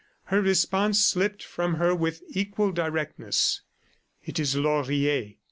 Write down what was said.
Her response slipped from her with equal directness. "It is Laurier.